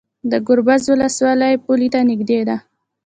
د ګربز ولسوالۍ پولې ته نږدې ده